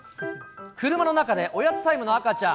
車の中でおやつタイムの赤ちゃん。